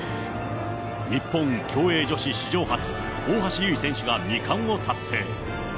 日本競泳女子史上初、大橋悠依選手が２冠を達成。